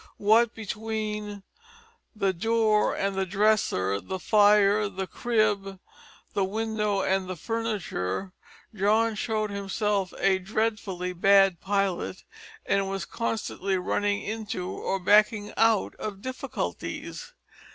What between the door and the dresser, the fire, the crib, the window, and the furniture, John showed himself a dreadfully bad pilot and was constantly running into or backing out of difficulties.